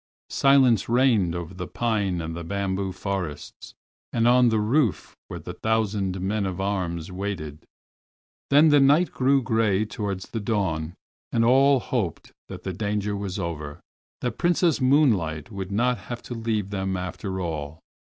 Silence reigned over the pine and the bamboo forests, and on the roof where the thousand men at arms waited. Then the night grew gray towards the dawn and all hoped that the danger was over—that Princess Moonlight would not have to leave them after all.